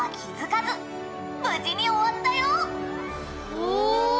お。